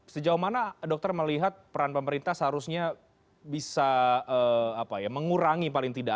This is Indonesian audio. sejauh mana dokter melihat peran pemerintah seharusnya bisa mengurangi paling tidak